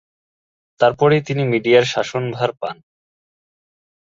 তারপরই তিনি মিডিয়ার শাসনভার পান।